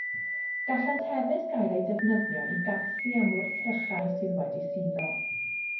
Gallant hefyd gael eu defnyddio i garthu am wrthrychau sydd wedi suddo.